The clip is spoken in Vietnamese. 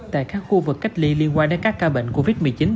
tại các khu vực cách ly liên quan đến các ca bệnh covid một mươi chín